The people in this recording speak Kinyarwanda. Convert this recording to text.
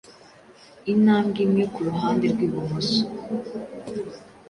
intambwe imwe kuruhande rwibumoso